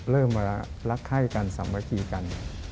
เริ่มมารักไข้กันสามัคคีกัน